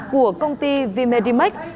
của công ty vmedimax